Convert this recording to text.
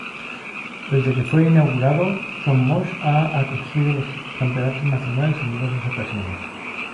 Desde que fue inaugurado "Son Moix" ha acogido los campeonatos nacionales en diversas ocasiones.